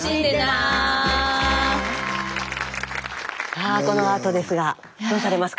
さあこのあとですがどうされますか？